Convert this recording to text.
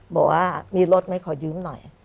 บอกว่ามีรถไหมขอยืมหน่อย